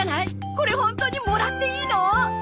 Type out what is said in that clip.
これホントにもらっていいの？